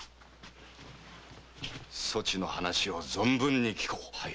そちの話を存分に聞こう。